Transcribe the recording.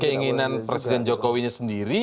keinginan presiden jokowi nya sendiri